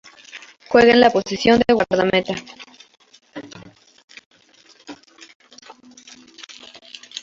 Juega en la posición de Guardameta.